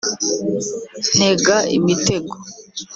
ntega imitego